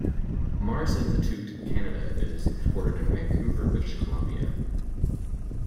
Mars Institute-Canada is headquartered in Vancouver, British Columbia.